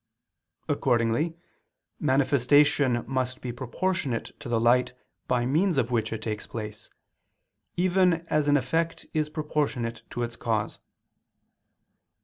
Accordingly manifestation must be proportionate to the light by means of which it takes place, even as an effect is proportionate to its cause.